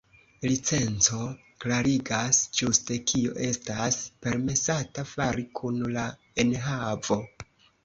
Licenco klarigas ĝuste kio estas permesata fari kun la enhavo.